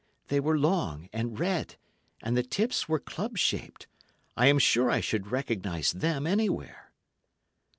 They were long, and red, and the tips were club shaped; I am sure I should recognise them anywhere."